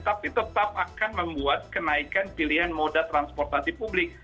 tapi tetap akan membuat kenaikan pilihan moda transportasi publik